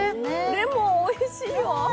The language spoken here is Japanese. レモンおいしいわ。